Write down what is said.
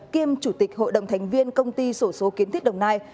kiêm chủ tịch hội đồng thành viên công ty sổ số kiến thiết đồng nai